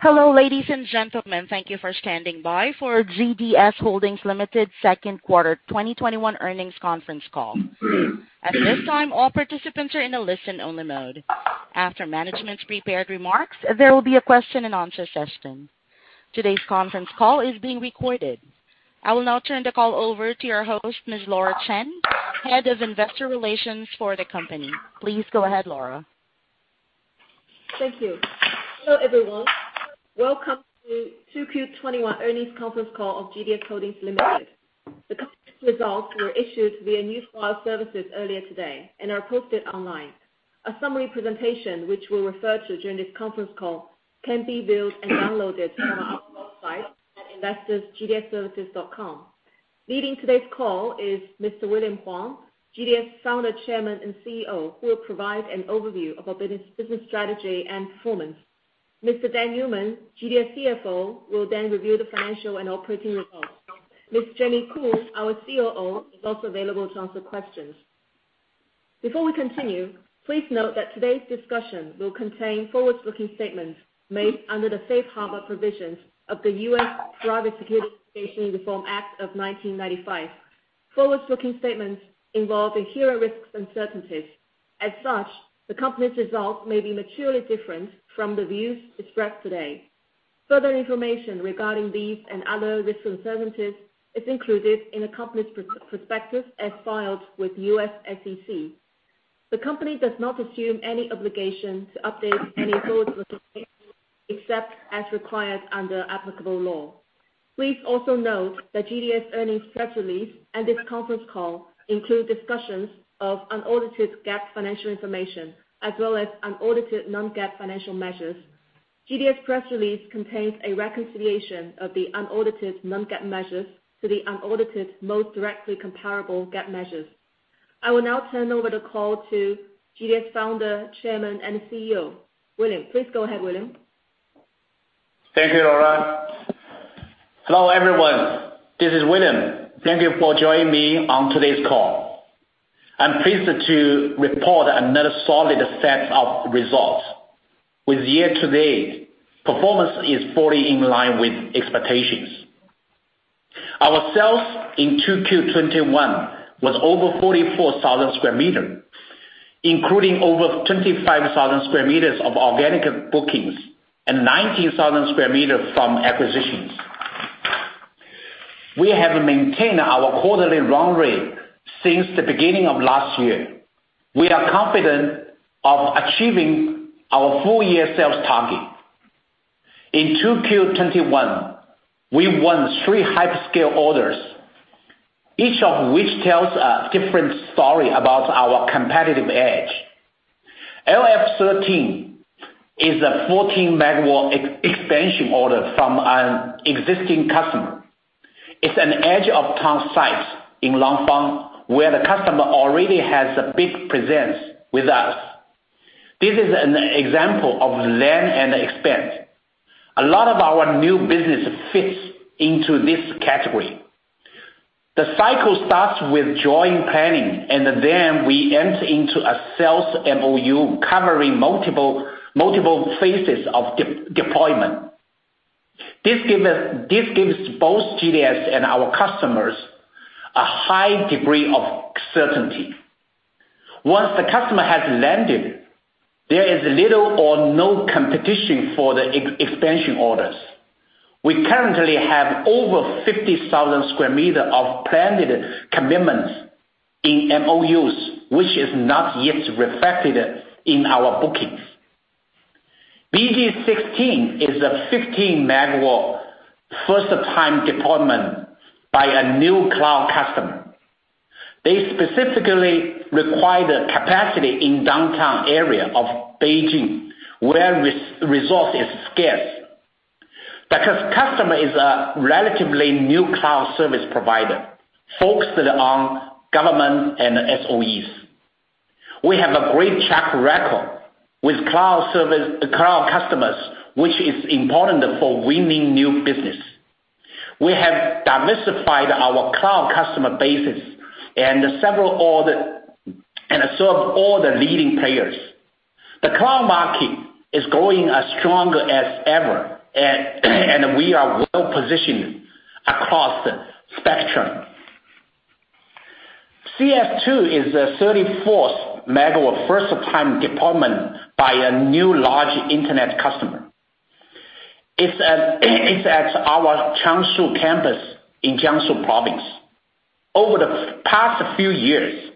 Hello, ladies and gentlemen. Thank you for standing by for GDS Holdings Limited second quarter 2021 earnings conference call. At this time, all participants are in a listen-only mode. After management's prepared remarks, there will be a question and answer session. Today's conference call is being recorded. I will now turn the call over to your host, Ms. Laura Chen, Head of Investor Relations for the company. Please go ahead, Laura. Thank you. Hello, everyone. Welcome to 2Q 2021 earnings conference call of GDS Holdings Limited. The company's results were issued via Newswire services earlier today and are posted online. A summary presentation, which we'll refer to during this conference call, can be viewed and downloaded from our website at investors.gds-services.com. Leading today's call is Mr. William Huang, GDS Founder, Chairman, and CEO, who will provide an overview of our business strategy and performance. Mr. Dan Newman, GDS CFO, will then review the financial and operating results. Ms. Jamie Khoo, our COO, is also available to answer questions. Before we continue, please note that today's discussion will contain forward-looking statements made under the safe harbor provisions of the U.S. Private Securities Litigation Reform Act of 1995. Forward-looking statements involve inherent risks and uncertainties. As such, the company's results may be materially different from the views expressed today. Further information regarding these and other risks and uncertainties is included in the company's prospectus as filed with U.S. SEC. The company does not assume any obligation to update any forward-looking statements, except as required under applicable law. Please also note that GDS earnings press release and this conference call include discussions of unaudited GAAP financial information, as well as unaudited non-GAAP financial measures. GDS press release contains a reconciliation of the unaudited non-GAAP measures to the unaudited most directly comparable GAAP measures. I will now turn over the call to GDS Founder, Chairman, and CEO, William. Please go ahead, William. Thank you, Laura. Hello, everyone. This is William. Thank you for joining me on today's call. I'm pleased to report another solid set of results. With year-to-date, performance is fully in line with expectations. Our sales in 2Q 2021 was over 44,000 sq m, including over 25,000 sq m of organic bookings and 19,000 sq m from acquisitions. We have maintained our quarterly run rate since the beginning of last year. We are confident of achieving our full-year sales target. In 2Q 2021, we won three hyperscale orders, each of which tells a different story about our competitive edge. LF13 is a 14 MW expansion order from an existing customer. It's an edge-of-town site in Langfang where the customer already has a big presence with us. This is an example of land and expand. A lot of our new business fits into this category. The cycle starts with joint planning, and then we enter into a sales MOU covering multiple phases of deployment. This gives both GDS and our customers a high degree of certainty. Once the customer has landed, there is little or no competition for the expansion orders. We currently have over 50,000 sq m of planned commitments in MOUs, which is not yet reflected in our bookings. BJ16 is a 15 MW first-time deployment by a new cloud customer. They specifically require the capacity in downtown area of Beijing, where resource is scarce. Because customer is a relatively new cloud service provider focused on government and SOEs. We have a great track record with cloud customers, which is important for winning new business. We have diversified our cloud customer bases and serve all the leading players. The cloud market is growing as strong as ever, and we are well-positioned across the spectrum. CS2 is a 34-megawatt first-time deployment by a new large internet customer. It's at our Changshu campus in Jiangsu province. Over the past few years,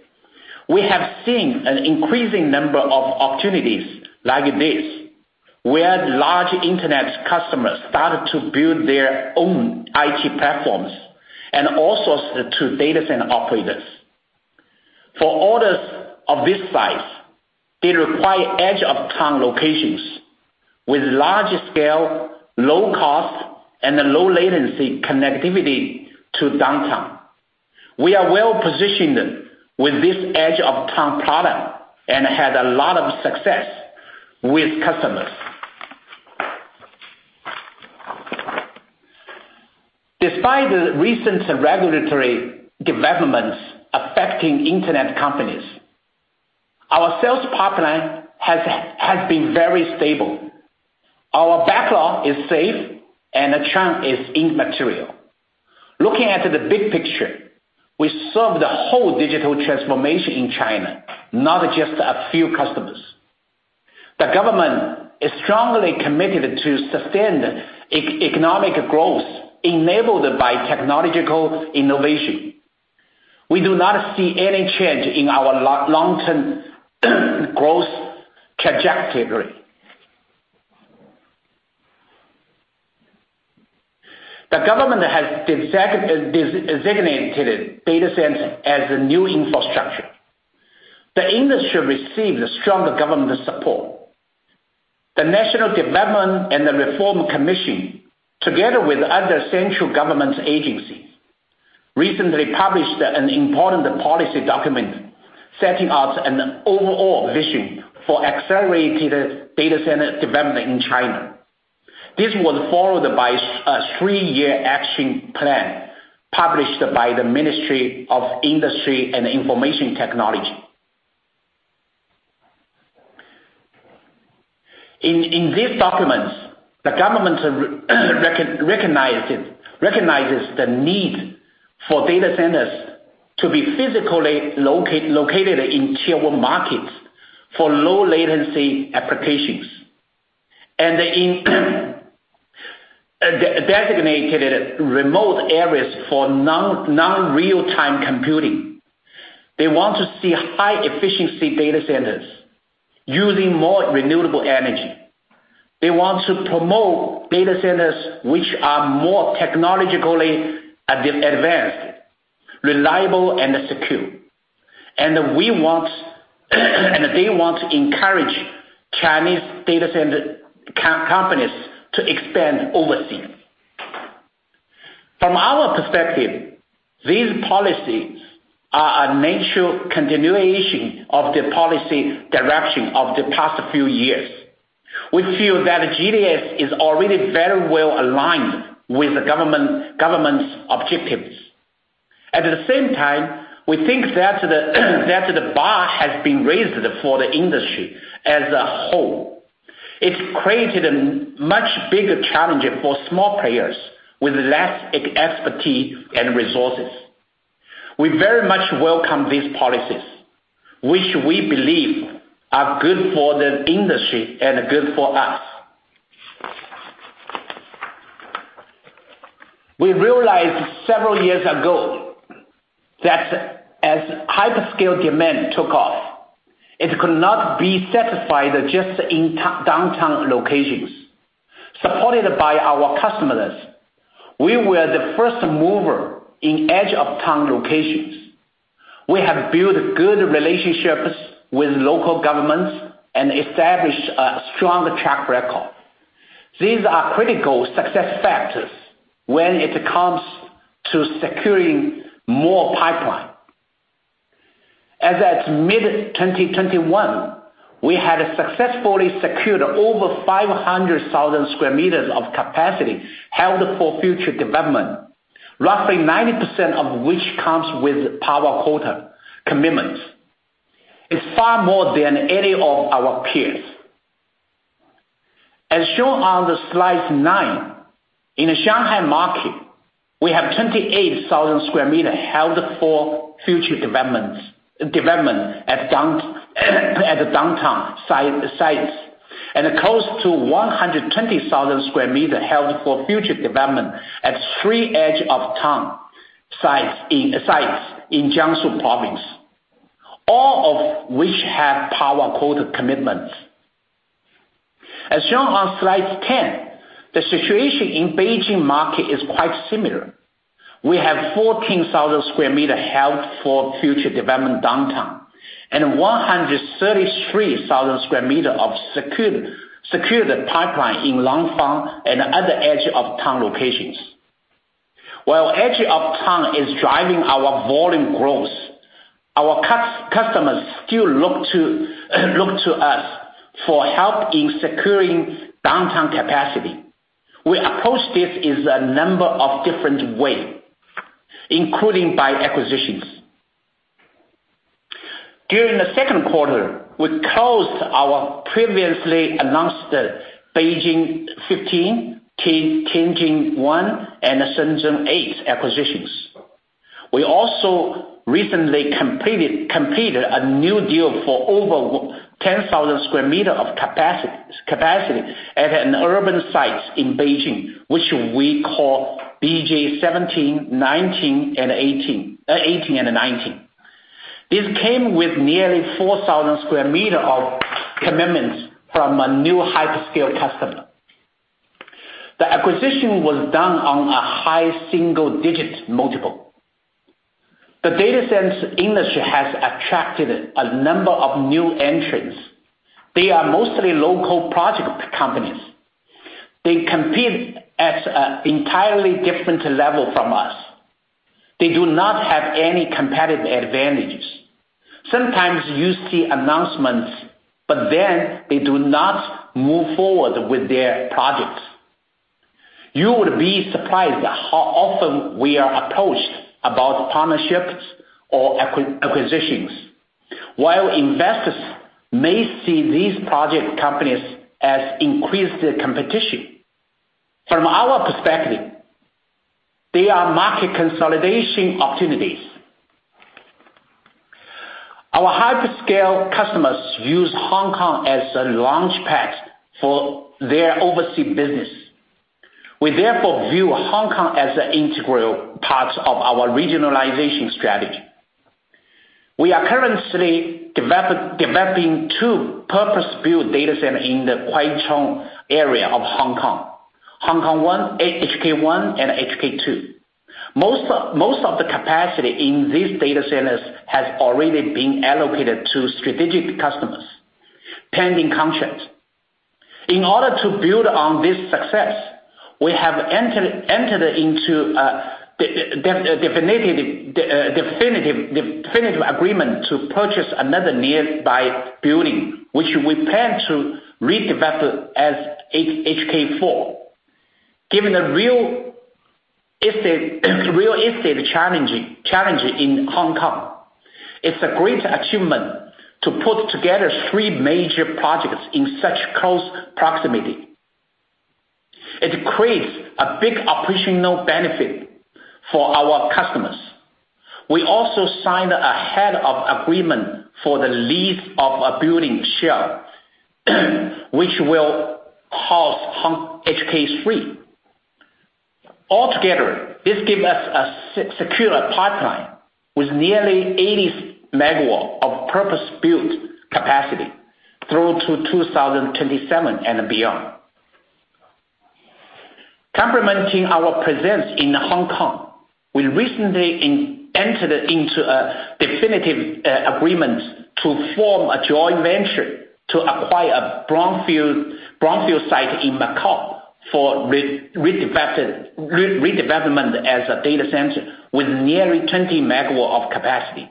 we have seen an increasing number of opportunities like this, where large internet customers started to build their own IT platforms and also to data center operators. For orders of this size, they require edge-of-town locations with large scale, low cost, and low latency connectivity to downtown. We are well-positioned with this edge-of-town product and had a lot of success with customers. Despite the recent regulatory developments affecting internet companies, our sales pipeline has been very stable. Our backlog is safe, and the trend is immaterial. Looking at the big picture, we serve the whole digital transformation in China, not just a few customers. The government is strongly committed to sustained economic growth enabled by technological innovation. We do not see any change in our long-term growth trajectory. The government has designated data centers as a new infrastructure. The industry receives strong government support. The National Development and Reform Commission, together with other central government agencies, recently published an important policy document setting out an overall vision for accelerated data center development in China. This was followed by a three-year action plan published by the Ministry of Industry and Information Technology. In these documents, the government recognizes the need for data centers to be physically located in tier one markets for low-latency applications, and they designated remote areas for non-real-time computing. They want to see high-efficiency data centers using more renewable energy. They want to promote data centers that are more technologically advanced, reliable, and secure. They want to encourage Chinese data center companies to expand overseas. From our perspective, these policies are a natural continuation of the policy direction of the past few years. We feel that GDS is already very well-aligned with the government's objectives. At the same time, we think that the bar has been raised for the industry as a whole. It's created a much bigger challenge for small players with less expertise and resources. We very much welcome these policies, which we believe are good for the industry and good for us. We realized several years ago that as hyperscale demand took off, it could not be satisfied just in downtown locations. Supported by our customers, we were the first mover in edge-of-town locations. We have built good relationships with local governments and established a strong track record. These are critical success factors when it comes to securing more pipeline. As at mid-2021, we had successfully secured over 500,000 square meters of capacity held for future development, roughly 90% of which comes with power quota commitments. It's far more than any of our peers. As shown on slide 9, in the Shanghai market, we have 28,000 square meters held for future development at downtown sites, and close to 120,000 square meters held for future development at 3 edge-of-town sites in Jiangsu Province, all of which have power quota commitments. As shown on slide 10, the situation in Beijing market is quite similar. We have 14,000 square meters held for future development downtown and 133,000 square meters of secured pipeline in Langfang and other edge-of-town locations. While edge of town is driving our volume growth, our customers still look to us for help in securing downtown capacity. We approach this in a number of different ways, including by acquisitions. During the second quarter, we closed our previously announced Beijing 15, Tianjin one, and Shenzhen eight acquisitions. We also recently completed a new deal for over 10,000 sq m of capacity at an urban site in Beijing, which we call BJ17, 18, and 19. This came with nearly 4,000 sq m of commitments from a new hyperscale customer. The acquisition was done on a high single-digit multiple. The data centers industry has attracted a number of new entrants. They are mostly local project companies. They compete at an entirely different level from us. They do not have any competitive advantages. Sometimes you see announcements, but then they do not move forward with their projects. You would be surprised at how often we are approached about partnerships or acquisitions. While investors may see these project companies as increased competition, from our perspective, they are market consolidation opportunities. Our hyperscale customers use Hong Kong as a launchpad for their overseas business. We therefore view Hong Kong as an integral part of our regionalization strategy. We are currently developing two purpose-built data centers in the Kwai Chung area of Hong Kong, HK1 and HK2. Most of the capacity in these data centers has already been allocated to strategic customers, pending contracts. In order to build on this success, we have entered into a definitive agreement to purchase another nearby building, which we plan to redevelop as HK4. Given the real estate challenges in Hong Kong, it's a great achievement to put together three major projects in such close proximity. It creates a big operational benefit for our customers. We also signed a head of agreement for the lease of a building shell which will house HK3. Altogether, this gives us a secure pipeline with nearly 80 MW of purpose-built capacity through to 2027 and beyond. Complementing our presence in Hong Kong, we recently entered into a definitive agreement to form a joint venture to acquire a brownfield site in Macau for redevelopment as a data center with nearly 20 MW of capacity.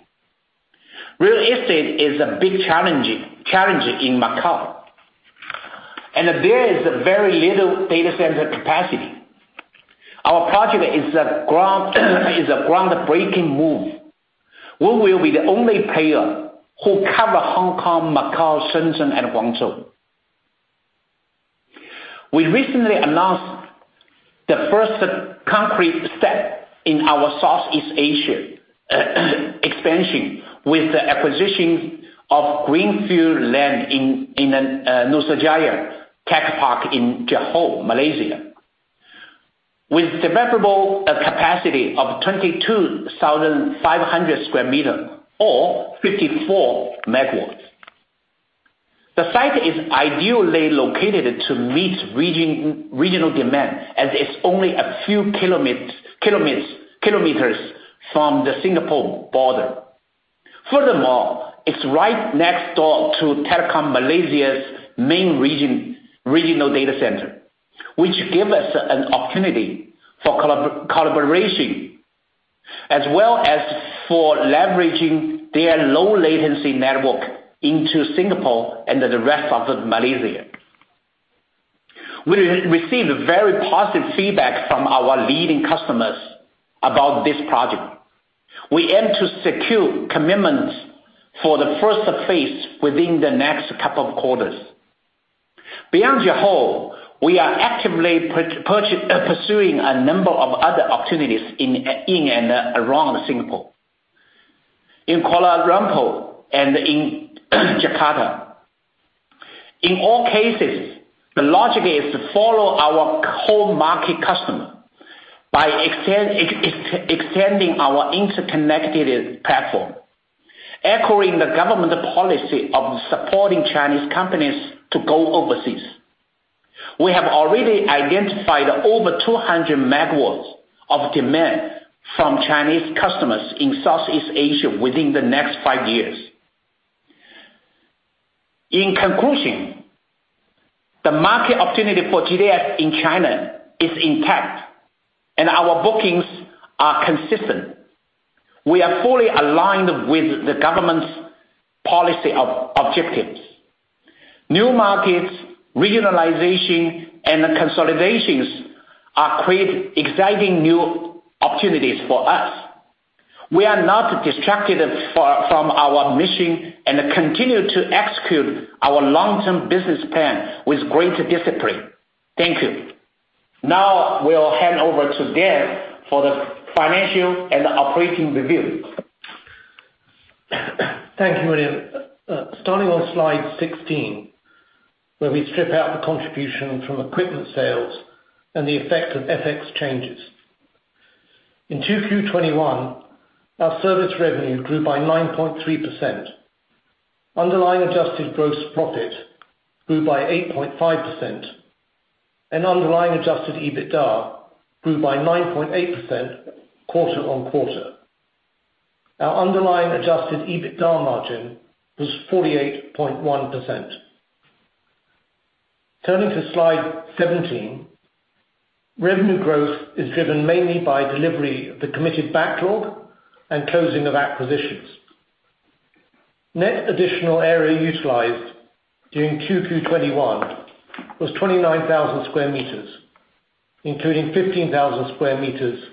Real estate is a big challenge in Macau, and there is very little data center capacity. Our project is a groundbreaking move. We will be the only player who covers Hong Kong, Macau, Shenzhen, and Guangzhou. We recently announced the first concrete step in our Southeast Asia expansion with the acquisition of greenfield land in the Nusajaya Tech Park in Johor, Malaysia, with developable capacity of 22,500 sq m or 54 MW. The site is ideally located to meet regional demand, as it's only a few kilometers from the Singapore border. Furthermore, it's right next door to Telekom Malaysia's main regional data center, which give us an opportunity for collaboration as well as for leveraging their low latency network into Singapore and the rest of Malaysia. We received very positive feedback from our leading customers about this project. We aim to secure commitments for the first phase within the next couple of quarters. Beyond Johor, we are actively pursuing a number of other opportunities in and around Singapore, in Kuala Lumpur, and in Jakarta. In all cases, the logic is to follow our core market customer by extending our interconnected platform, echoing the government policy of supporting Chinese companies to go overseas. We have already identified over 200 MW of demand from Chinese customers in Southeast Asia within the next five years. In conclusion, the market opportunity for GDS in China is intact, and our bookings are consistent. We are fully aligned with the government's policy objectives. New markets, regionalization, and consolidations create exciting new opportunities for us. We are not distracted from our mission and continue to execute our long-term business plan with great discipline. Thank you. Now we'll hand over to Dan for the financial and operating review. Thank you, William. Starting on slide 16, where we strip out the contribution from equipment sales and the effect of FX changes. In 2Q 2021, our service revenue grew by 9.3%. Underlying adjusted gross profit grew by 8.5%, and underlying adjusted EBITDA grew by 9.8% quarter-on-quarter. Our underlying adjusted EBITDA margin was 48.1%. Turning to slide 17, revenue growth is driven mainly by delivery of the committed backlog and closing of acquisitions. Net additional area utilized during 2Q 2021 was 29,000 square meters, including 15,000 square meters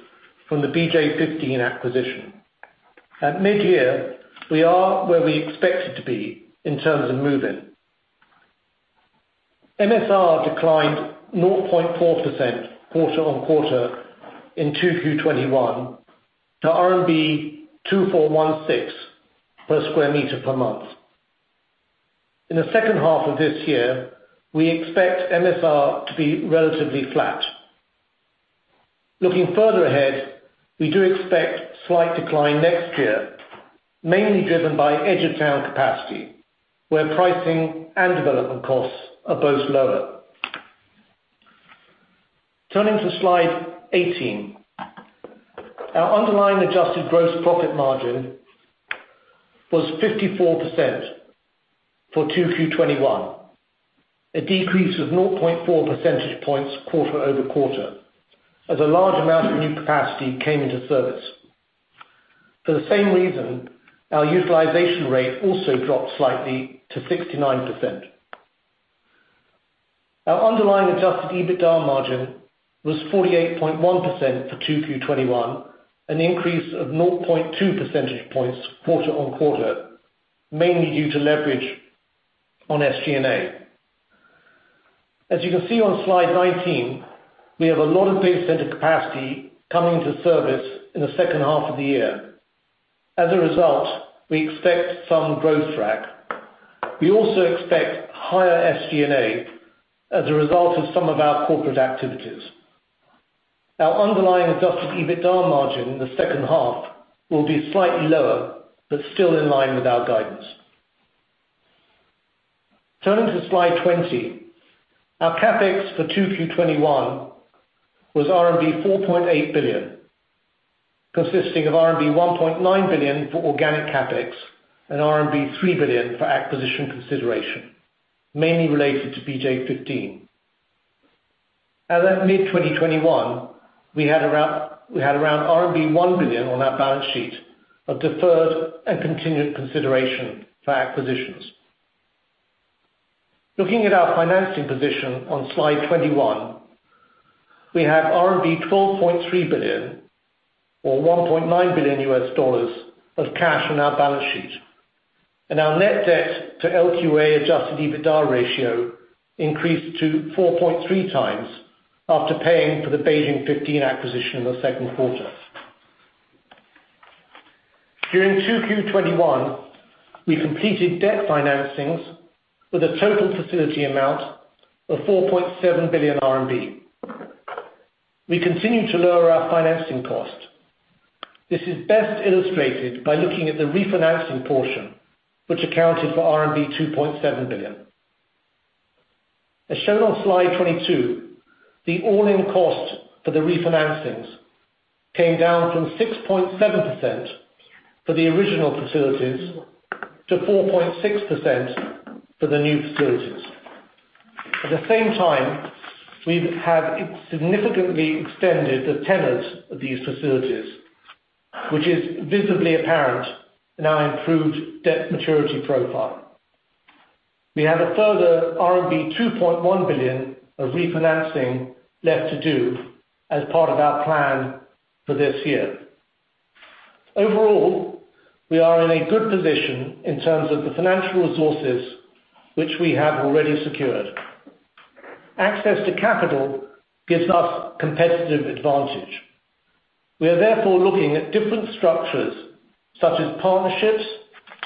from the BJ15 acquisition. At mid-year, we are where we expected to be in terms of move-in. MSR declined 0.4% quarter-on-quarter in 2Q 2021 to RMB 2,416 per square meter per month. In the second half of this year, we expect MSR to be relatively flat. Looking further ahead, we do expect slight decline next year, mainly driven by edge of town capacity, where pricing and development costs are both lower. Turning to slide 18. Our underlying adjusted gross profit margin was 54% for 2Q 2021, a decrease of 0.4 percentage points QoQ as a large amount of new capacity came into service. For the same reason, our utilization rate also dropped slightly to 69%. Our underlying adjusted EBITDA margin was 48.1% for 2Q 2021, an increase of 0.2 percentage points quarter-on-quarter, mainly due to leverage on SG&A. As you can see on slide 19, we have a lot of data center capacity coming to service in the second half of the year. As a result, we expect some growth drag. We also expect higher SG&A as a result of some of our corporate activities. Our underlying adjusted EBITDA margin in the second half will be slightly lower, but still in line with our guidance. Turning to slide 20. Our CapEx for 2Q 2021 was RMB 4.8 billion, consisting of RMB 1.9 billion for organic CapEx and RMB 3 billion for acquisition consideration, mainly related to BJ15. As at mid-2021, we had around RMB 1 billion on our balance sheet of deferred and continued consideration for acquisitions. Looking at our financing position on Slide 21, we have RMB 12.3 billion or $1.9 billion of cash on our balance sheet, and our net debt to LQA adjusted EBITDA ratio increased to 4.3x after paying for the BJ15 acquisition in the second quarter. During 2Q 2021, we completed debt financings with a total facility amount of 4.7 billion RMB. We continue to lower our financing cost. This is best illustrated by looking at the refinancing portion, which accounted for RMB 2.7 billion. As shown on slide 22, the all-in cost for the refinancings came down from 6.7% for the original facilities to 4.6% for the new facilities. At the same time, we have significantly extended the tenors of these facilities, which is visibly apparent in our improved debt maturity profile. We have a further RMB 2.1 billion of refinancing left to do as part of our plan for this year. Overall, we are in a good position in terms of the financial resources which we have already secured. Access to capital gives us competitive advantage. We are therefore looking at different structures such as partnerships,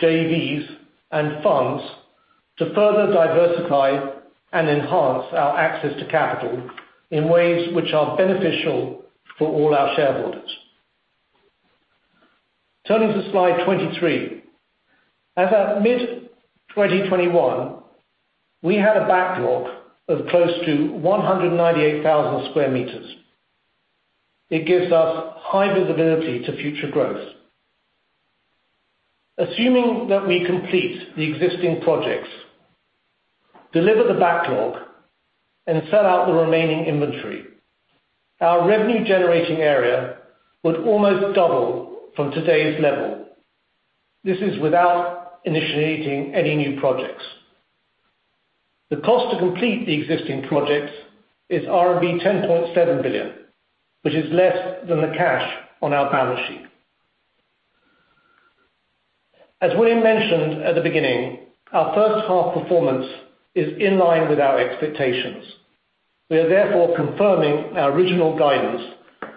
JVs, and funds to further diversify and enhance our access to capital in ways which are beneficial for all our shareholders. Turning to slide 23. As at mid 2021, we had a backlog of close to 198,000 sq m. It gives us high visibility to future growth. Assuming that we complete the existing projects, deliver the backlog, and sell out the remaining inventory, our revenue generating area would almost double from today's level. This is without initiating any new projects. The cost to complete the existing projects is RMB 10.7 billion, which is less than the cash on our balance sheet. As William mentioned at the beginning, our first half performance is in line with our expectations. We are therefore confirming our original guidance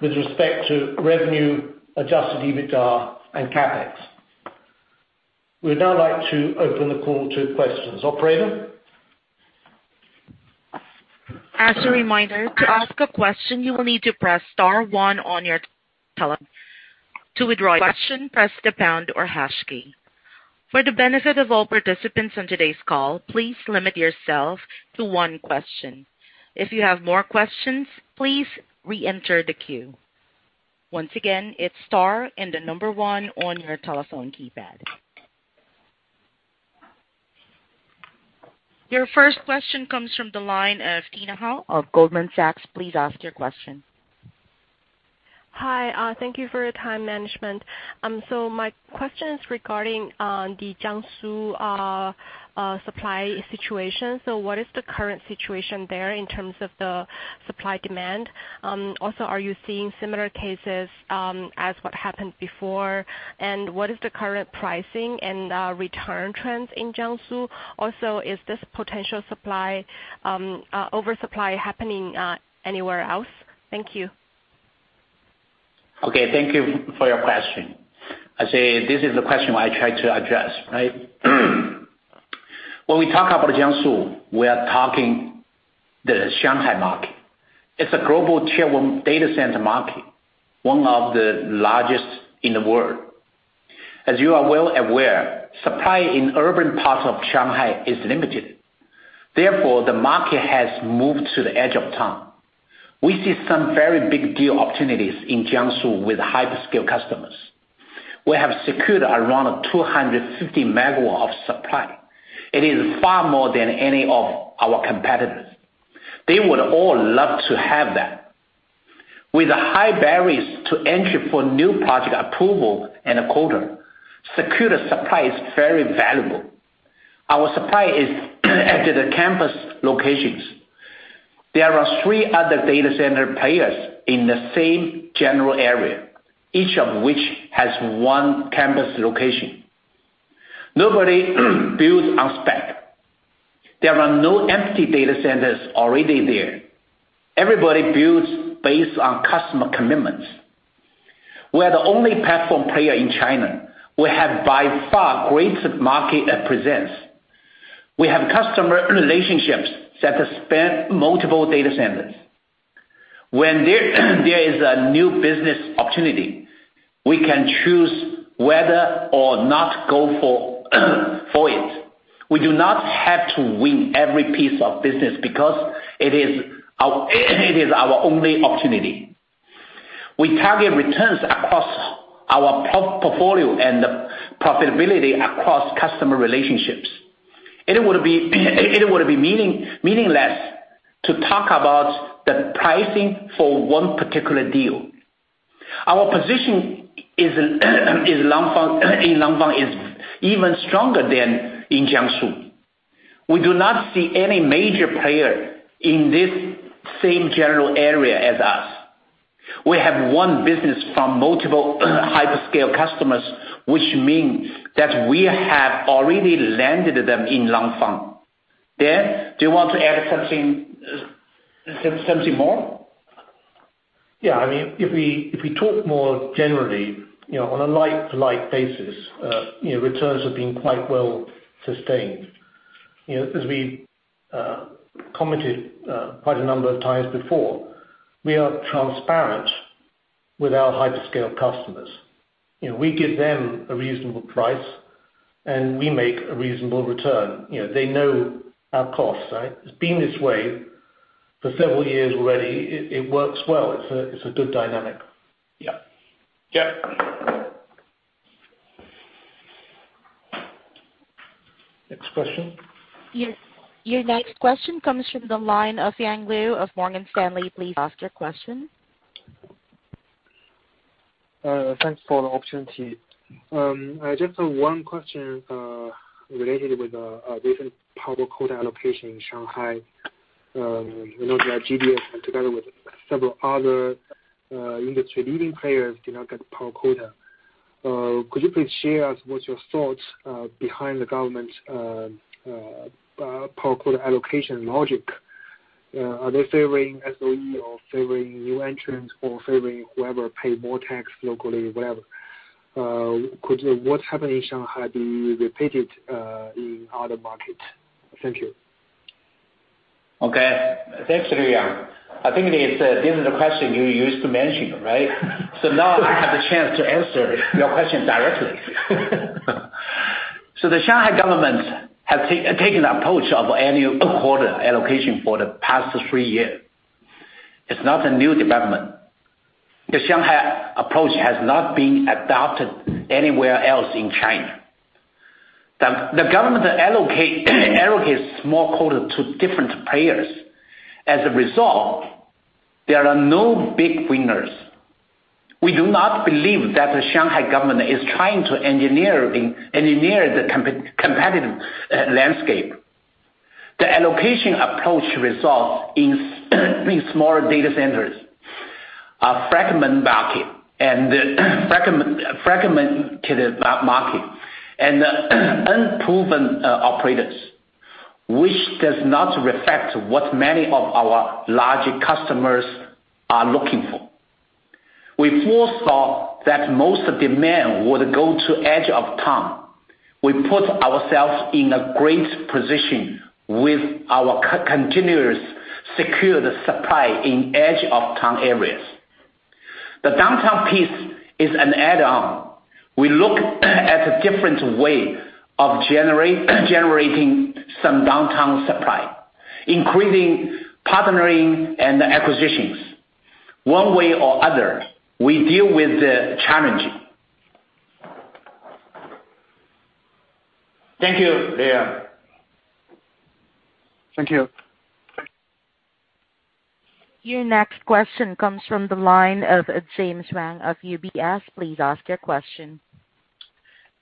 with respect to revenue, adjusted EBITDA, and CapEx. We would now like to open the call to questions. Operator? Your first question comes from the line of Tina Hou of Goldman Sachs. Please ask your question. Hi. Thank you for your time, management. My question is regarding the Jiangsu supply situation. What is the current situation there in terms of the supply-demand? Are you seeing similar cases as what happened before? What is the current pricing and return trends in Jiangsu? Is this potential oversupply happening anywhere else? Thank you. Thank you for your question. This is the question I try to address, right? When we talk about Jiangsu, we are talking the Shanghai market. It's a global Tier one data center market, one of the largest in the world. As you are well aware, supply in urban parts of Shanghai is limited. The market has moved to the edge of town. We see some very big deal opportunities in Jiangsu with hyperscale customers. We have secured around 250 MW of supply. It is far more than any of our competitors. They would all love to have that. With high barriers to entry for new project approval and quota, secured supply is very valuable. Our supply is at the campus locations. There are three other data center players in the same general area, each of which has one campus location. Nobody builds on spec. There are no empty data centers already there. Everybody builds based on customer commitments. We're the only platform player in China. We have by far greater market presence. We have customer relationships that span multiple data centers. When there is a new business opportunity, we can choose whether or not go for it. We do not have to win every piece of business because it is our only opportunity. We target returns across our portfolio and profitability across customer relationships. It would be meaningless to talk about the pricing for one particular deal. Our position in Langfang is even stronger than in Jiangsu. We do not see any major player in this same general area as us. We have won business from multiple hyperscale customers, which mean that we have already landed them in Langfang. Dan, do you want to add something more? Yeah. If we talk more generally on a like-to-like basis, returns have been quite well sustained. As we commented quite a number of times before, we are transparent with our hyperscale customers. We give them a reasonable price, and we make a reasonable return. They know our costs, right? It's been this way for several years already. It works well. It's a good dynamic. Yeah. Yeah. Next question. Your next question comes from the line of Yang Liu of Morgan Stanley. Please ask your question. Thanks for the opportunity. Just one question related with different power quota allocation in Shanghai. We know that GDS, and together with several other industry-leading players, did not get power quota. Could you please share with us what's your thoughts behind the government's power quota allocation logic? Are they favoring SOE or favoring new entrants or favoring whoever pay more tax locally, whatever? Could what happen in Shanghai be repeated in other markets? Thank you. Okay. Thanks, Yang Liu. I think this is the question you used to mention, right? Now I have the chance to answer your question directly. The Shanghai government has taken the approach of annual quota allocation for the past three years. It's not a new development. The Shanghai approach has not been adopted anywhere else in China. The government allocates small quota to different players. As a result, there are no big winners. We do not believe that the Shanghai government is trying to engineer the competitive landscape. The allocation approach results in smaller data centers, a fragmented market, and unproven operators, which does not reflect what many of our larger customers are looking for. We foresaw that most demand would go to edge of town. We put ourselves in a great position with our continuous secured supply in edge-of-town areas. The downtown piece is an add-on. We look at a different way of generating some downtown supply, including partnering and acquisitions. One way or other, we deal with the challenge. Thank you, Yang Liu. Thank you. Your next question comes from the line of James Wang of UBS. Please ask your question.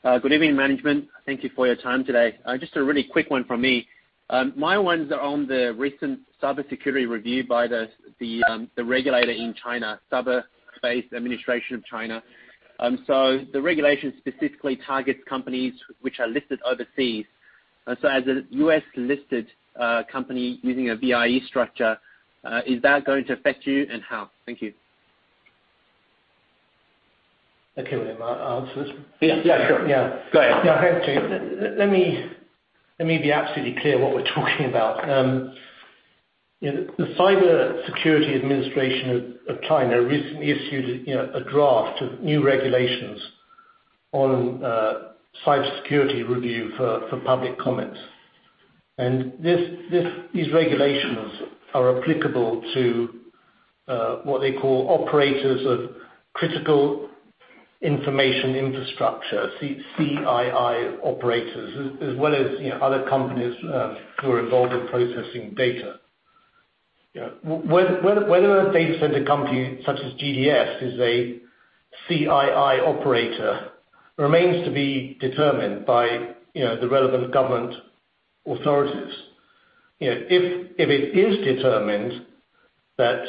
Good evening, management. Thank you for your time today. Just a really quick one from me. My one's on the recent cybersecurity review by the regulator in China, Cyberspace Administration of China. The regulation specifically targets companies which are listed overseas. As a U.S. listed company using a VIE structure, is that going to affect you, and how? Thank you. Okay, William. I'll answer this one. Yeah, sure. Go ahead. Yeah. Let me be absolutely clear what we're talking about. The Cyberspace Administration of China recently issued a draft of new regulations on cybersecurity review for public comment. These regulations are applicable to what they call operators of critical information infrastructure, CII operators, as well as other companies who are involved in processing data. Whether a data center company such as GDS is a CII operator remains to be determined by the relevant government authorities. If it is determined that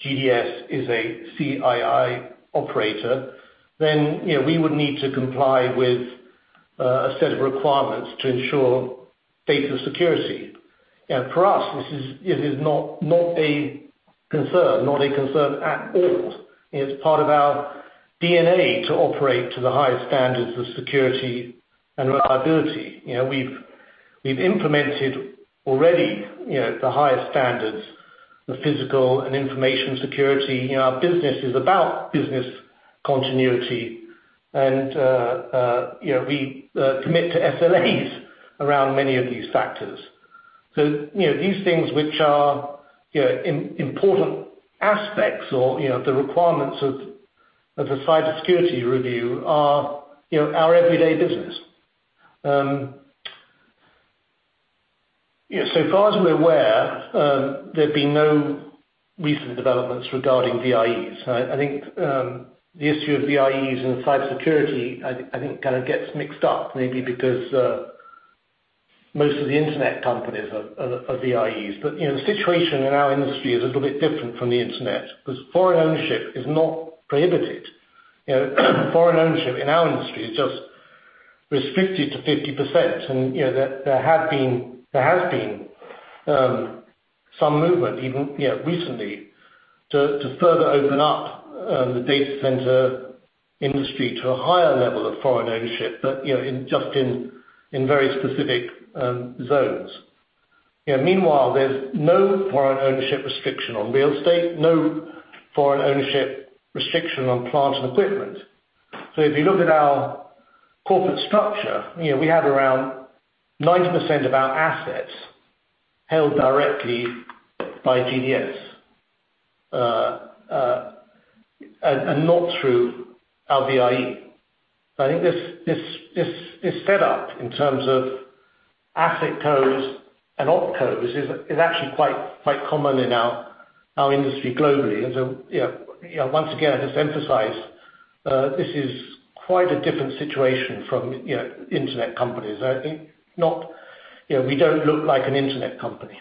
GDS is a CII operator, then we would need to comply with a set of requirements to ensure data security. For us, this is not a concern at all. It's part of our DNA to operate to the highest standards of security and reliability. We've implemented already the highest standards of physical and information security. Our business is about business continuity, and we commit to SLAs around many of these factors. These things which are important aspects or the requirements of the cybersecurity review are our everyday business. Far as we're aware, there have been no recent developments regarding VIEs. I think the issue of VIEs and cybersecurity kind of gets mixed up maybe because most of the internet companies are VIEs. The situation in our industry is a little bit different from the internet, because foreign ownership is not prohibited. Foreign ownership in our industry is just restricted to 50%. There has been some movement even recently to further open up the data center industry to a higher level of foreign ownership, but just in very specific zones. Meanwhile, there's no foreign ownership restriction on real estate, no foreign ownership restriction on plant and equipment. If you look at our corporate structure, we have around 90% of our assets held directly by GDS and not through our VIE. I think this setup in terms of AssetCos and OpCos is actually quite common in our industry globally. Once again, I just emphasize, this is quite a different situation from internet companies. We don't look like an internet company.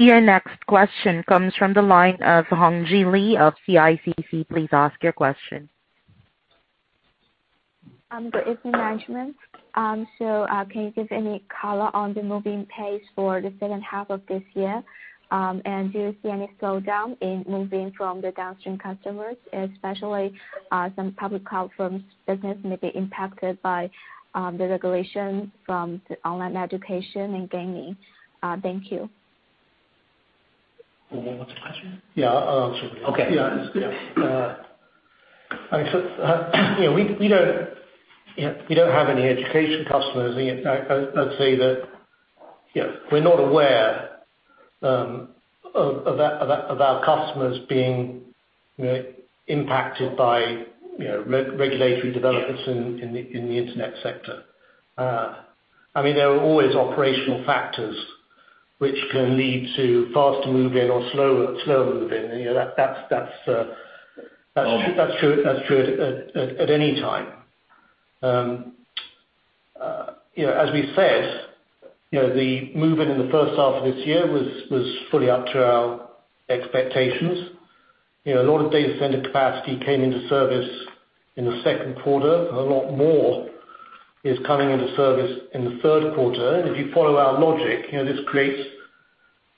Your next question comes from the line of Hongjie Li of CICC. Please ask your question. Good evening, management. Can you give any color on the moving pace for the second half of this year? Do you see any slowdown in moving from the downstream customers, especially some public cloud firms' business may be impacted by the regulations from online education and gaming? Thank you. Dan, what's the question? Yeah, I'll answer it. Okay. Yeah. We don't have any education customers. Let's say that we're not aware of our customers being impacted by regulatory developments in the internet sector. There are always operational factors which can lead to faster move-in or slower move-in. That's true at any time. As we said, the move-in in the first half of this year was fully up to our expectations. A lot of data center capacity came into service in the second quarter. A lot more is coming into service in the third quarter. If you follow our logic, this creates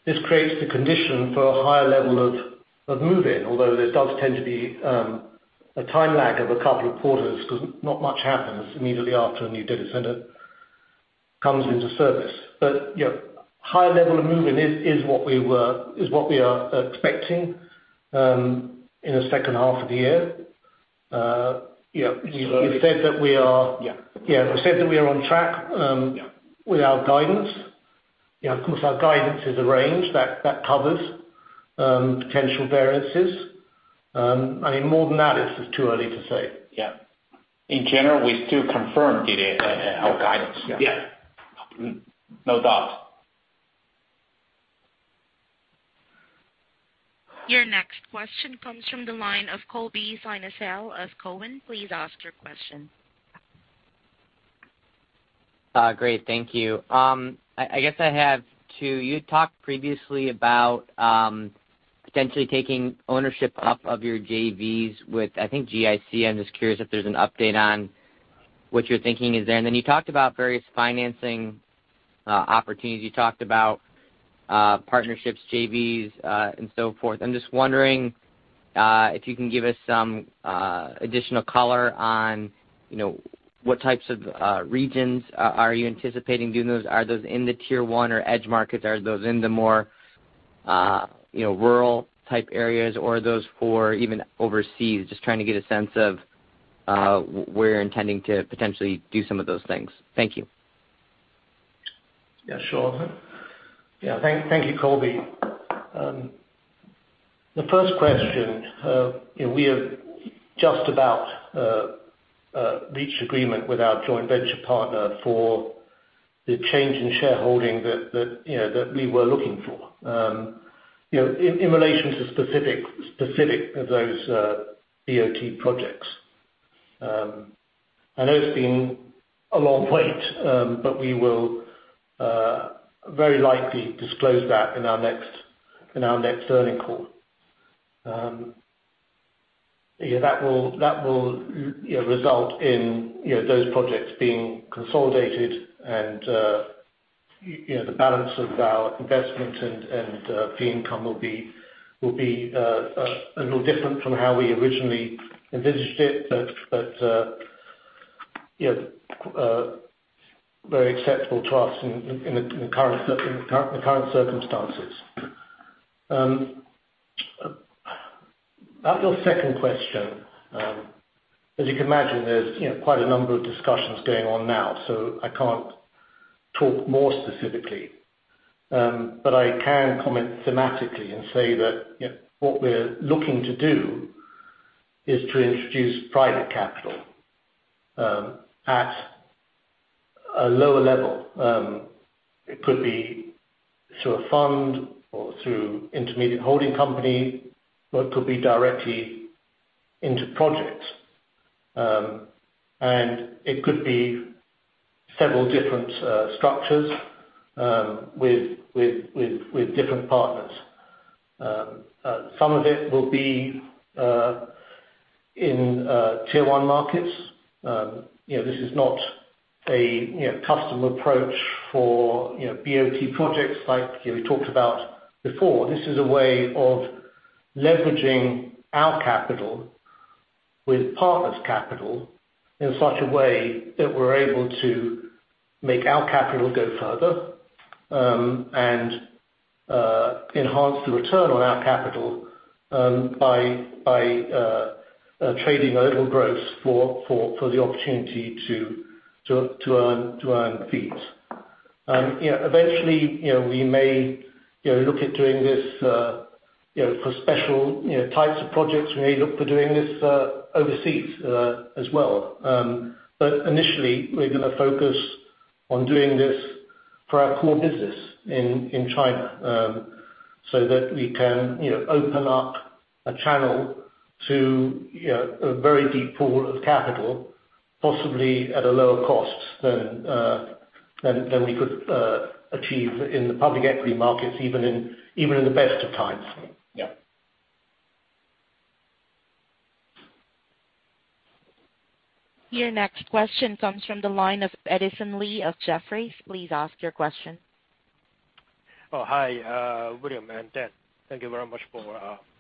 the condition for a higher level of move-in, although there does tend to be a time lag of couple of quarters because not much happens immediately after a new data center comes into service. Higher level of move-in is what we are expecting in the second half of the year. Yeah. We said that we are. Yeah. Yeah. We said that we are on track. Yeah with our guidance. Of course, our guidance is a range that covers potential variances. More than that, it is just too early to say. Yeah. In general, we still confirm our guidance. Yeah. Yeah. No doubt. Your next question comes from the line of Colby Synesael of Cowen. Please ask your question. Great. Thank you. I guess I have two. You talked previously about potentially taking ownership up of your JVs with, I think, GIC. I'm just curious if there's an update on what your thinking is there. Then you talked about various financing opportunities. You talked about partnerships, JVs, and so forth. I'm just wondering if you can give us some additional color on what types of regions are you anticipating doing those? Are those in the tier one or edge markets? Are those in the more rural type areas, or are those for even overseas? Just trying to get a sense of where you're intending to potentially do some of those things. Thank you. Yeah, sure. Thank you, Colby. The first question, we have just about reached agreement with our joint venture partner for the change in shareholding that we were looking for in relation to specific of those BOT projects. I know it's been a long wait, but we will very likely disclose that in our next earning call. That will result in those projects being consolidated and the balance of our investment and fee income will be a little different from how we originally envisaged it, but very acceptable to us in the current circumstances. About your second question, as you can imagine, there's quite a number of discussions going on now, so I can't talk more specifically. I can comment thematically and say that what we're looking to do is to introduce private capital at a lower level. It could be through a fund or through intermediate holding company, or it could be directly into projects. It could be several different structures with different partners. Some of it will be in tier 1 markets. This is not a custom approach for BOT projects like we talked about before. This is a way of leveraging our capital with partners' capital in such a way that we're able to make our capital go further, and enhance the return on our capital by trading a little gross for the opportunity to earn fees. Eventually, we may look at doing this for special types of projects. We may look for doing this overseas as well. Initially, we're going to focus on doing this for our core business in China, so that we can open up a channel to a very deep pool of capital, possibly at a lower cost than we could achieve in the public equity markets, even in the best of times. Yeah. Your next question comes from the line of Edison Lee of Jefferies. Please ask your question. Hi William and Dan. Thank you very much for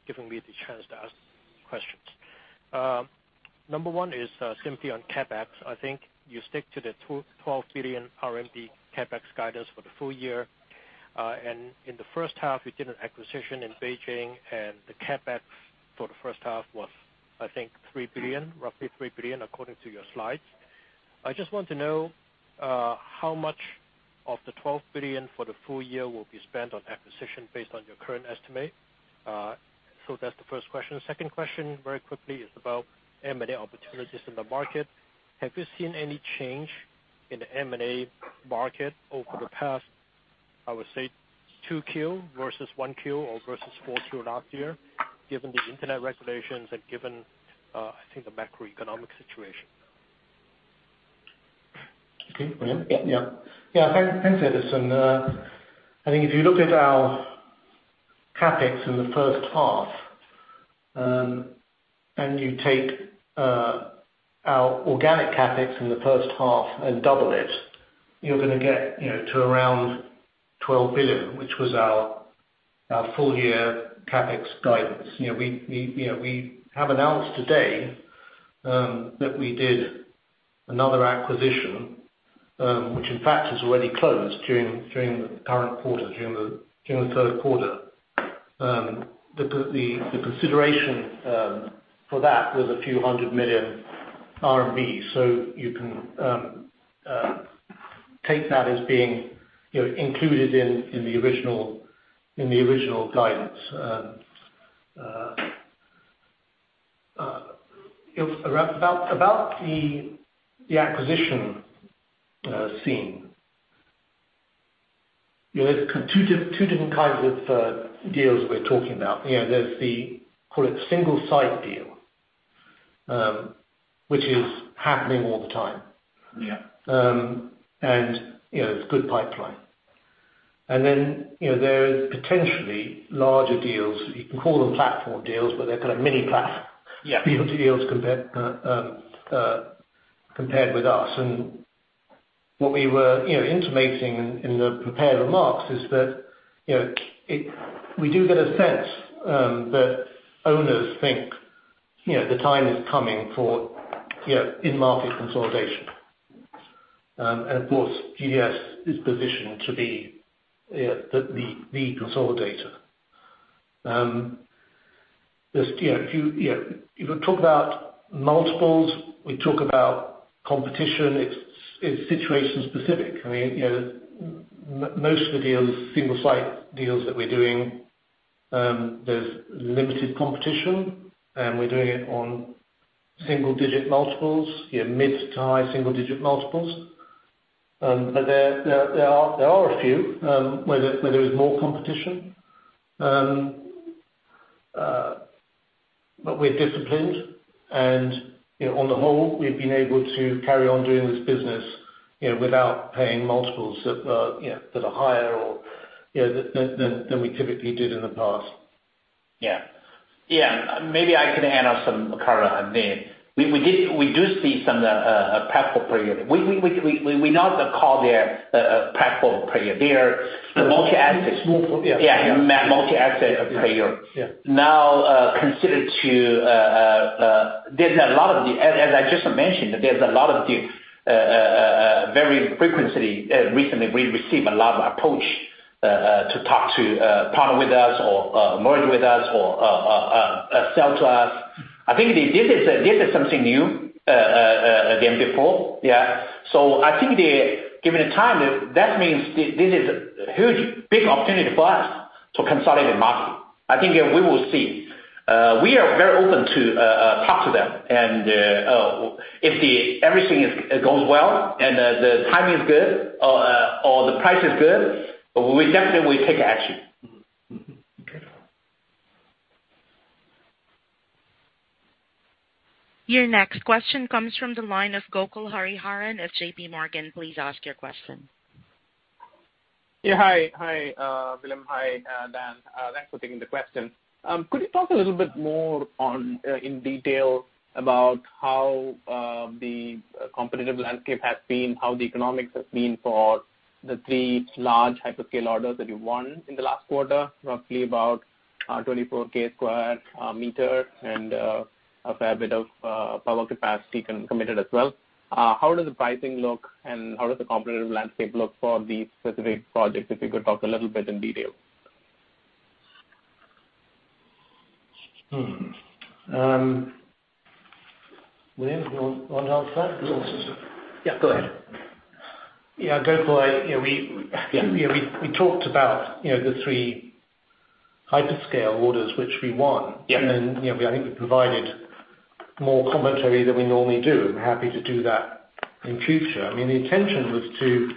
giving me the chance to ask questions. Number one is simply on CapEx. I think you stick to the 12 billion RMB CapEx guidance for the full year. In the first half, you did an acquisition in Beijing, and the CapEx for the first half was, I think, 3 billion, roughly 3 billion, according to your slides. I just want to know how much of the 12 billion for the full year will be spent on acquisition based on your current estimate. That's the first question. The second question, very quickly, is about M&A opportunities in the market. Have you seen any change in the M&A market over the past, I would say 2Q versus 1Q or versus 4Q last year, given the internet regulations and given, I think, the macroeconomic situation? Okay. William? Thanks, Edison. I think if you look at our CapEx in the first half, and you take our organic CapEx in the first half and double it, you're going to get to around 12 billion, which was our full year CapEx guidance. We have announced today that we did another acquisition, which in fact has already closed during the current quarter, during the third quarter. The consideration for that was RMB few hundred million. You can take that as being included in the original guidance. About the acquisition scene, there's two different kinds of deals we're talking about. There's the, call it single site deal, which is happening all the time. It's good pipeline. Then, there is potentially larger deals. You can call them platform deals, but they're kind of mini platform. Deals compared with us. What we were intimating in the prepared remarks is that, we do get a sense that owners think the time is coming for in-market consolidation. Of course, GDS is positioned to be the consolidator. If you talk about multiples, we talk about competition, it's situation specific. Most of the deals, single site deals that we're doing, there's limited competition, and we're doing it on single-digit multiples, mid-to-high single-digit multiples. There are a few where there is more competition. We're disciplined and on the whole, we've been able to carry on doing this business without paying multiples that are higher or than we typically did in the past. Yeah. Maybe I could add on some color on Dan. We do see some platform player. We not call them platform player. They're the multi asset player. As I just mentioned, there's a lot of deal. Very frequently, recently, we've received a lot of approach to talk to partner with us or merge with us or sell to us. I think this is something new, again, before. Yeah. I think given the time, that means this is a huge, big opportunity for us to consolidate the market. I think we will see. We are very open to talk to them and if everything goes well and the timing is good or the price is good, we definitely take action. Your next question comes from the line of Gokul Hariharan of JPMorgan. Please ask your question. Hi, William. Hi, Dan. Thanks for taking the question. Could you talk a little bit more in detail about how the competitive landscape has been, how the economics has been for the three large hyperscale orders that you won in the last quarter, roughly about 24K square meter and a fair bit of power capacity committed as well? How does the pricing look, and how does the competitive landscape look for these specific projects, if you could talk a little bit in detail? William, you want to answer that? Yeah, go ahead. Yeah. Gokul, we talked about the three hyperscale orders which we won. I think we provided more commentary than we normally do. I'm happy to do that in future. The intention was to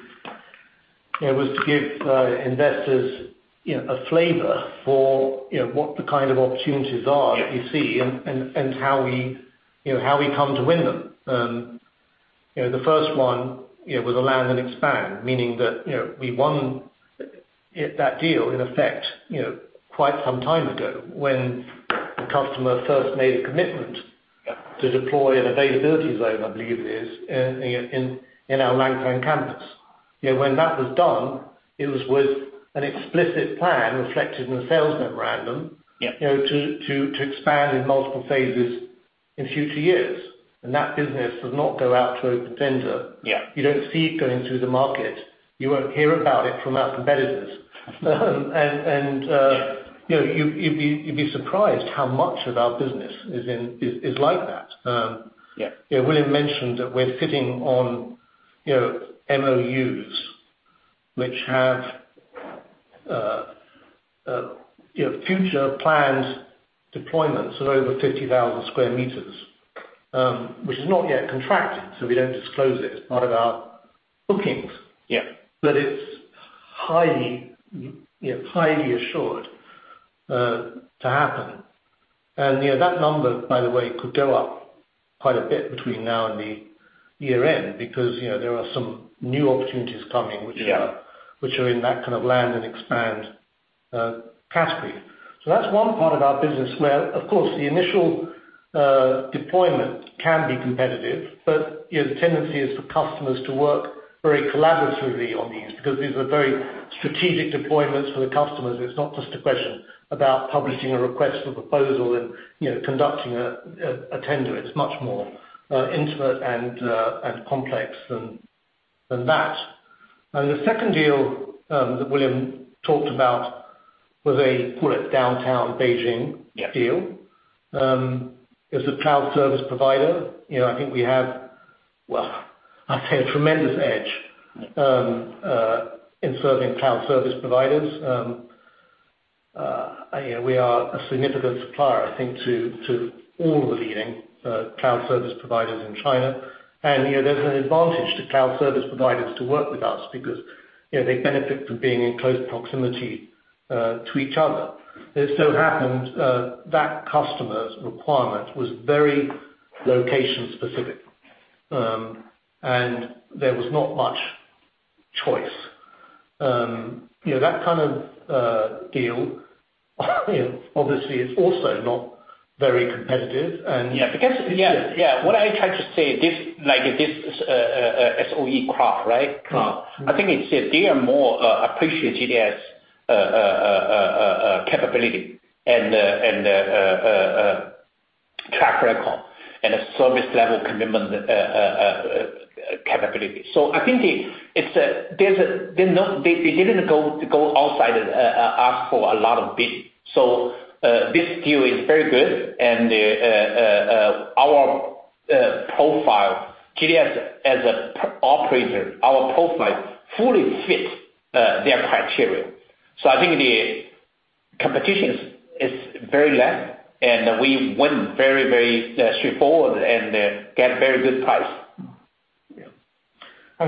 give investors a flavor for what the kind of opportunities are that we see and how we come to win them. The first one was a land and expand, meaning that we won that deal in effect quite some time ago when the customer first made a commitment to deploy an availability zone, I believe it is, in our Langfang campus. When that was done, it was with an explicit plan reflected in the sales memorandum, to expand in multiple phases in future years. That business does not go out to open tender. You don't see it going through the market. You won't hear about it from our competitors. You'd be surprised how much of our business is like that. William mentioned that we're sitting on MOUs, which have future plans deployments of over 50,000 sq m, which is not yet contracted. We don't disclose it. It's not in our bookings. It's highly assured to happen. That number, by the way, could go up quite a bit between now and the year end, because there are some new opportunities. Which are in that kind of land and expand category. That's one part of our business where, of course, the initial deployment can be competitive, but the tendency is for customers to work very collaboratively on these, because these are very strategic deployments for the customers. It's not just a question about publishing a request for proposal and conducting a tender. It's much more intimate and complex than that. The second deal that William talked about was a, call it downtown Beijing deal. As a cloud service provider, I think we have, well, I'd say a tremendous edge in serving cloud service providers. We are a significant supplier, I think, to all the leading cloud service providers in China. There's an advantage to cloud service providers to work with us because they benefit from being in close proximity to each other. It so happened that customer's requirement was very location specific, and there was not much choice. That kind of deal obviously is also not very competitive. Yeah. What I tried to say, this SOE cloud, right? I think it's they more appreciate GDS capability and track record and a service level commitment capability. I think they didn't go outside ask for a lot of bid. This deal is very good and our profile, GDS as an operator, our profile fully fits their criteria. I think the competition is very less and we win very straightforward and get very good price. Yeah.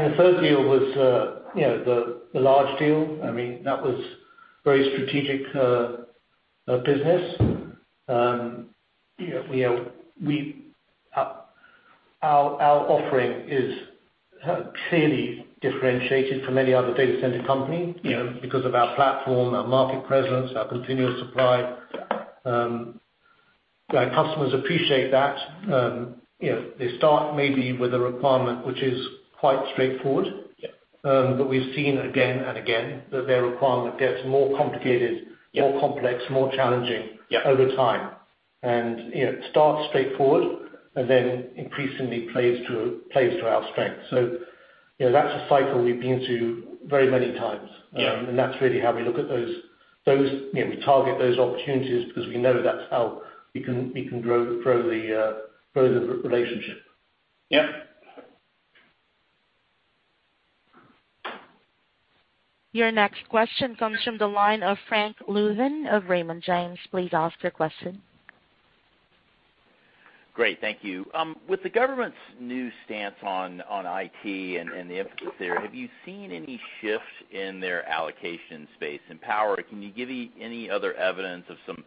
The third deal was the large deal. That was very strategic business. Our offering is clearly differentiated from any other data center company because of our platform, our market presence, our continuous supply. Our customers appreciate that. They start maybe with a requirement, which is quite straightforward. We've seen again and again that their requirement gets more complicated, more complex, more challenging over time. It starts straightforward and then increasingly plays to our strength. That's a cycle we've been through very many times. That's really how we look at those. We target those opportunities because we know that's how we can grow the relationship. Yeah. Your next question comes from the line of Frank Louthan of Raymond James. Please ask your question. Great. Thank you. With the government's new stance on IT and the impetus there, have you seen any shifts in their allocation space and power? Can you give any other evidence of some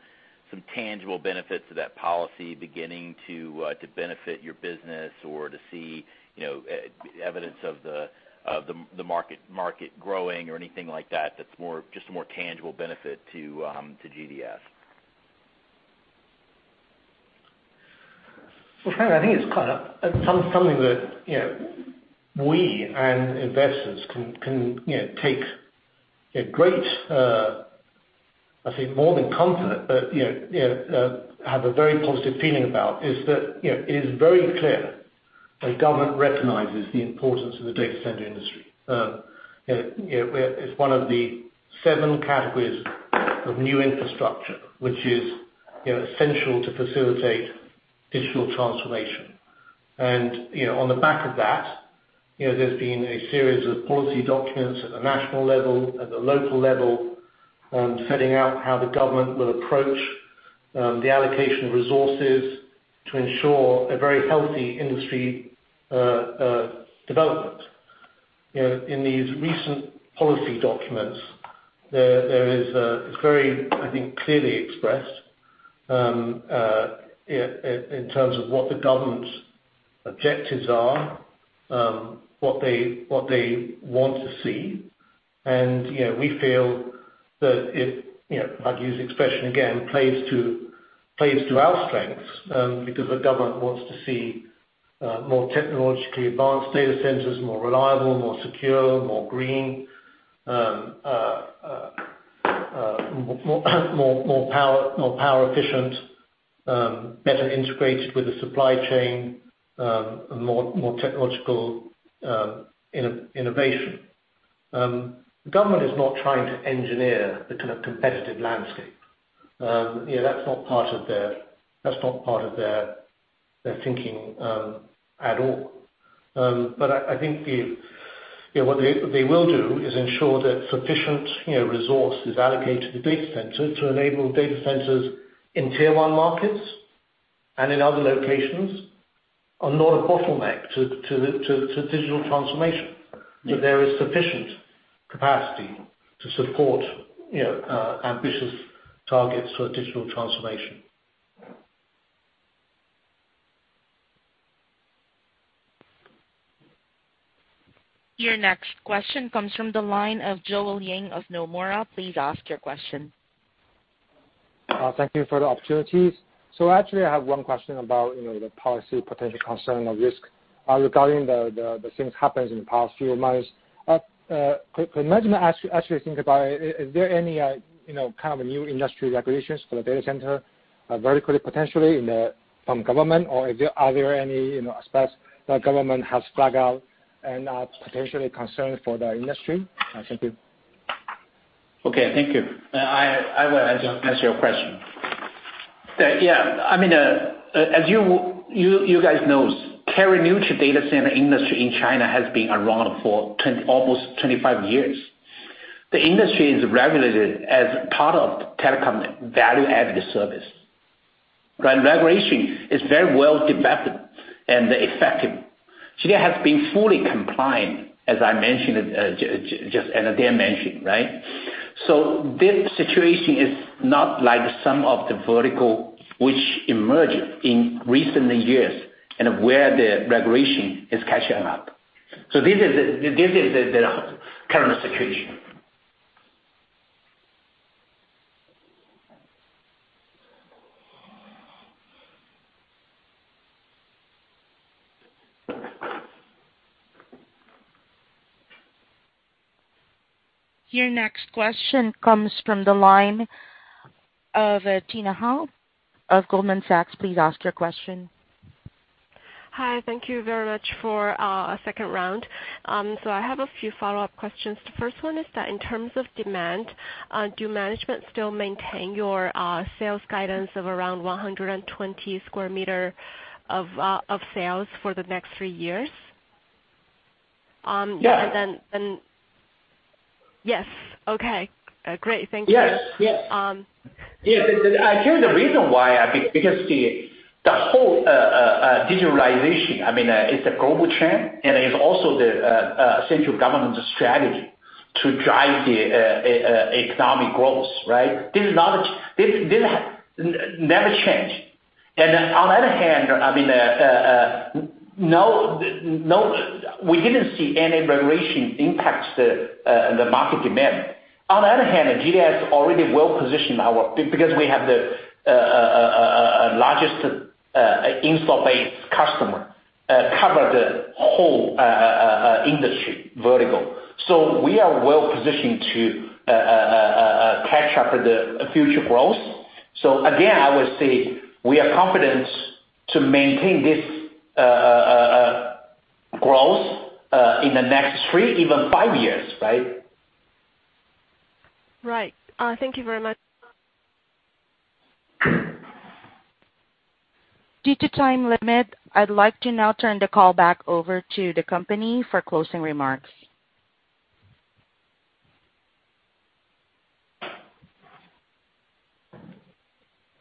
tangible benefits of that policy beginning to benefit your business or to see evidence of the market growing or anything like that that's just more tangible benefit to GDS? Frank, I think it's something that we and investors can take a great, I'd say more than confident but have a very positive feeling about, is that it is very clear the government recognizes the importance of the data center industry. It's one of the seven categories of new infrastructure, which is essential to facilitate digital transformation. On the back of that, there's been a series of policy documents at the national level, at the local level, setting out how the government will approach the allocation of resources to ensure a very healthy industry development. In these recent policy documents, there is it's very, I think, clearly expressed in terms of what the government's objectives are, what they want to see. We feel that it, if I can use the expression again, plays to our strengths, because the government wants to see more technologically advanced data centers, more reliable, more secure, more green, more power efficient, better integrated with the supply chain, more technological innovation. The government is not trying to engineer the kind of competitive landscape. That's not part of their thinking at all. I think what they will do is ensure that sufficient resource is allocated to data centers to enable data centers in tier 1 markets and in other locations are not a bottleneck to digital transformation. That there is sufficient capacity to support ambitious targets for digital transformation. Your next question comes from the line of Joel Ying of Nomura. Please ask your question. Thank you for the opportunities. Actually, I have one question about the policy potential concern of risk regarding the things happens in the past few months. Could management actually think about, is there any kind of a new industry regulations for the data center? Very quickly, potentially from government or are there any aspects that government has flagged out and are potentially concerned for the industry? Thank you. Okay, thank you. I will answer your question. Yeah. As you guys know, carrier-neutral data center industry in China has been around for almost 25 years. The industry is regulated as part of telecom value-added service. Regulation is very well developed and effective. GDS has been fully compliant, as I mentioned just, and Dan Newman mentioned, right? This situation is not like some of the vertical which emerged in recent years and where the regulation is catching up. This is the current situation. Your next question comes from the line of Tina Hou of Goldman Sachs. Please ask your question. Hi. Thank you very much for a second round. I have a few follow-up questions. The first one is that in terms of demand, do management still maintain your sales guidance of around 120 sq m of sales for the next three years? Yes. Yes. Okay, great. Thank you. Yes. I tell you the reason why, because the whole digitalization, it's a global trend, and it's also the central government strategy to drive the economic growth, right? This never change. On the other hand, we didn't see any regulation impact the market demand. On the other hand, GDS already well-positioned because we have the largest install base customer, cover the whole industry vertical. We are well-positioned to catch up with the future growth. Again, I would say we are confident to maintain this growth in the next three, even five years, right? Right. Thank you very much. Due to time limit, I'd like to now turn the call back over to the company for closing remarks.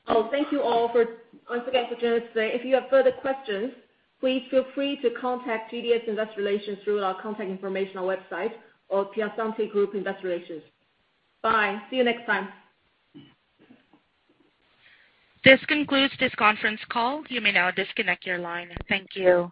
Oh, thank you all for, once again, for joining us today. If you have further questions, please feel free to contact GDS Investor Relations through our contact information on website or Piacente Group Investor Relations. Bye. See you next time. This concludes this conference call. You may now disconnect your line. Thank you.